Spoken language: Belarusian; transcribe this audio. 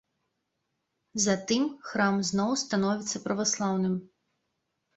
Затым храм зноў становіцца праваслаўным.